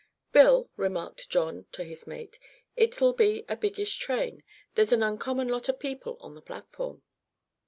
"Bill," remarked John to his mate, "it'll be a biggish train. There's an uncommon lot o' people on the platform."